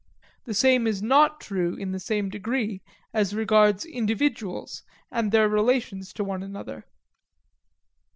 The same is not true in the same degree as regards individuals and their relations to one another.